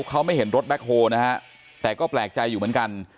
เขาไม่เห็นรถแบ็คโฮลนะฮะแต่ก็แปลกใจอยู่เหมือนกัน